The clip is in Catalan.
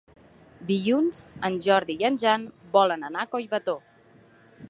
Dilluns en Jordi i en Jan volen anar a Collbató.